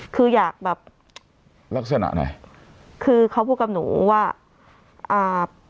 คืออยากแบบลักษณะไหนคือเขาพูดกับหนูว่าอ่า